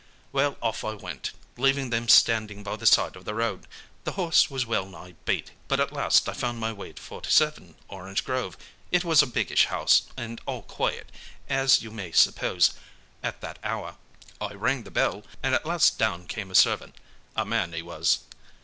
"Well, off I went, leaving them standing by the side of the road. The horse was well nigh beat, but at last I found my way to 47, Orange Grove. It was a biggish house, and all quiet, as you may suppose, at that hour. I rang the bell, and at last down came a servant a man, he was.